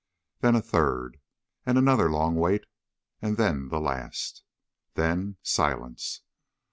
Then a third, and another long wait, and then the last. Then silence.